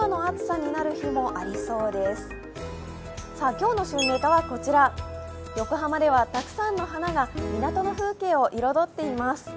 今日の旬ネタはこちら、横浜ではたくさんの花が港の風景を彩っています。